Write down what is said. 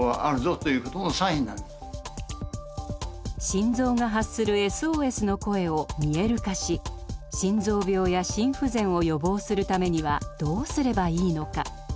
心臓が発するＳＯＳの声を見える化し心臓病や心不全を予防するためにはどうすればいいのか。